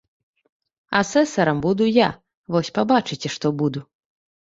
Асэсарам буду я, вось пабачыце, што буду!